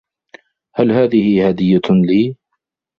هل هذهِ هدية لي ؟